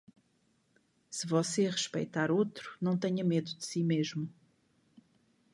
Se você respeitar outro, não tenha medo de si mesmo.